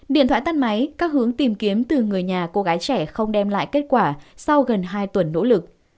điện thoại tắt máy các hướng tìm kiếm từ người nhà cô gái trẻ không đem lại kết quả sau gần hai tuần nỗ lực